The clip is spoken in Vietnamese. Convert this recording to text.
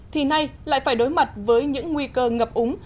thì nay lại phải đối mặt với những nguy cơ ngập úng